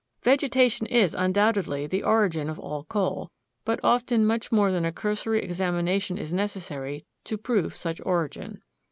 Vegetation is, undoubtedly, the origin of all coal, but often much more than a cursory examination is necessary to prove such origin.